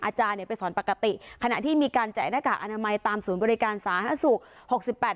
อาจารย์เนี่ยไปสอนปกติขณะที่มีการแจกหน้ากากอนามัยตามศูนย์บริการสาธารณสุขหกสิบแปด